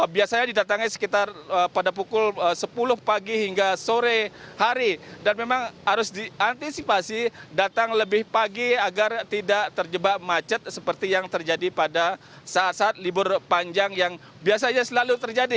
biasanya didatangi sekitar pada pukul sepuluh pagi hingga sore hari dan memang harus diantisipasi datang lebih pagi agar tidak terjebak macet seperti yang terjadi pada saat saat libur panjang yang biasanya selalu terjadi